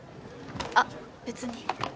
あっ別に。